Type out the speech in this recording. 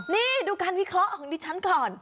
นี่ดูการวิเคราะห์ของดิฉันก่อน